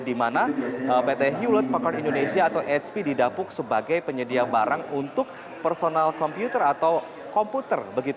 di mana pt hulut pakar indonesia atau hp didapuk sebagai penyedia barang untuk personal komputer atau komputer